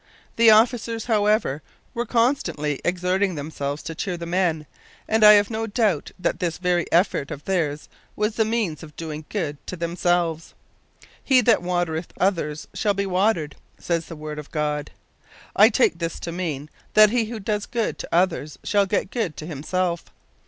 The officers, however, were constantly exerting themselves to cheer the men, and I have no doubt that this very effort of theirs was the means of doing good to themselves. "He that watereth others shall be watered," says the Word of God. I take this to mean he that does good to others shall get good to himself.